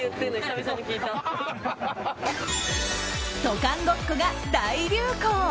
渡韓ごっこが大流行！